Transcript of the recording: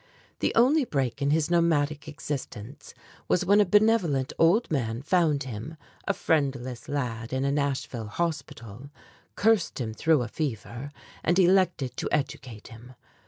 The only break in his nomadic existence was when a benevolent old gentleman found him, a friendless lad in a Nashville hospital, cursed him through a fever, and elected to educate him.